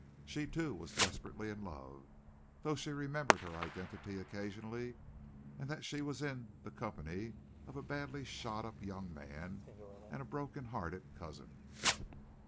She, too, was desperately in love, though she remembered her identity occasionally, and that she was in the company of a badly shot up young man and a broken hearted cousin.